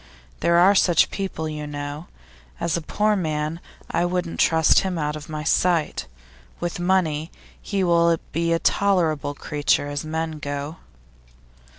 There are such people, you know. As a poor man, I wouldn't trust him out of my sight; with money, he will be a tolerable creature as men go.